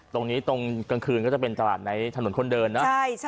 ตรงนี้ตรงกลางคืนก็จะเป็นตลาดในถนนคนเดินนะ